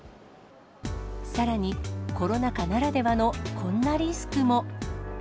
さらに、コロナ禍ならではのこんなリスクも。